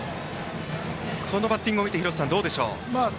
このバッティングを見て廣瀬さん、どうでしょう？